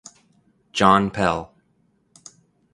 John Pell.